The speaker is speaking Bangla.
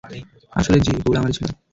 আসলে, যী, ভুল আমারই ছিল।